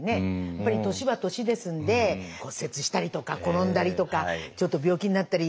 やっぱり年は年ですんで骨折したりとか転んだりとかちょっと病気になったり。